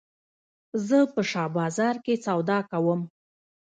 زه په شاه بازار کښي سودا کوم.